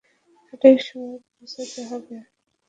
সঠিক সময়ে পৌছাতে হবে।